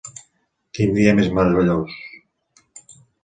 Quin dia més meravellós!